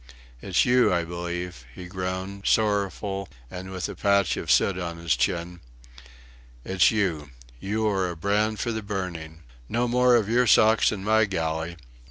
"It's you, I believe," he groaned, sorrowful and with a patch of soot on his chin. "It's you. You are a brand for the burning! No more of your socks in my galley."